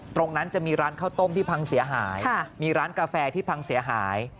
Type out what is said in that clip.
ตรงนั้นจะมีร้านข้าวต้มที่พังเสียหายมีร้านกาแฟที่พังเสียหาย